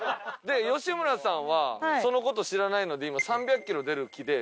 吉村さんはその事を知らないので今３００キロ出る気で。